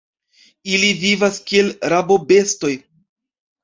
Ili vivas kiel rabobestoj.